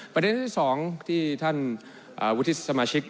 ประเด็นที่๒ที่ท่านวุฒิสมาชิก